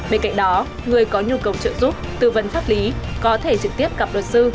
bên cạnh đó người có nhu cầu trợ giúp tư vấn pháp lý có thể trực tiếp gặp luật sư